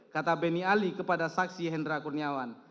kata beni ali kepada saksi hendra kurniawan